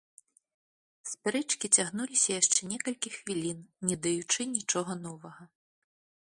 Спрэчкі цягнуліся яшчэ некалькі хвілін, не даючы нічога новага.